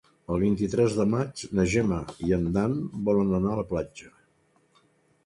El vint-i-tres de maig na Gemma i en Dan volen anar a la platja.